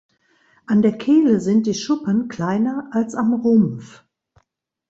An der Kehle sind die Schuppen kleiner als am Rumpf.